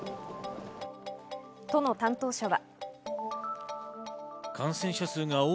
都の担当者は。